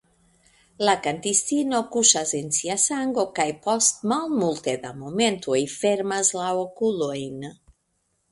La kantistino kuŝas en sia sango kaj post malmulte da momentoj fermas la okulojn.